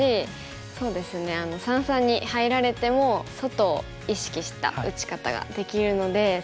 そうですね三々に入られても外を意識した打ち方ができるので好きですね。